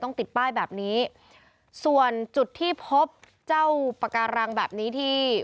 ติดป้ายแบบนี้ส่วนจุดที่พบเจ้าปาการังแบบนี้ที่